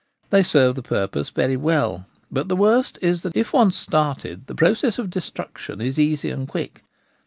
They serve the purpose very well, but the worst is that if once started the process of destruction is easy and quick.